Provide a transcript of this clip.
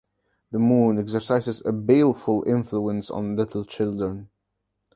The moon exercises a baleful influence on little children.